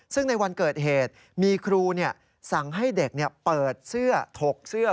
ซึ่งในวันเกิดเหตุมีครูสั่งให้เด็กเปิดเสื้อถกเสื้อ